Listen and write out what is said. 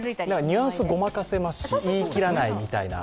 ニュアンス、ごまかせますし、言い切らないみたいな。